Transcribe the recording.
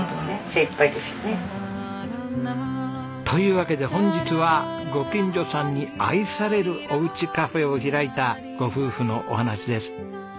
というわけで本日はご近所さんに愛されるおうちカフェを開いたご夫婦のお話です。